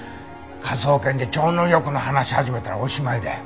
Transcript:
科捜研で超能力の話始めたらおしまいだよ。